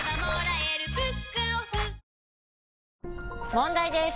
問題です！